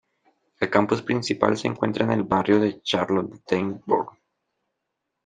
El campus principal se encuentra en el barrio de Charlottenburg.